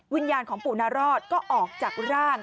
วิญญาณของปู่นารอดก็ออกจากร่าง